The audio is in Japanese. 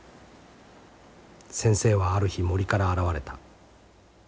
先生はある日森から現れた。